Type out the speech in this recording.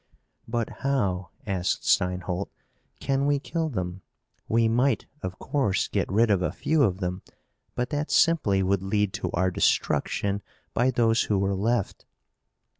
"But how," asked Steinholt, "can we kill them? We might, of course, get rid of a few of them, but that simply would lead to our destruction by those who were left."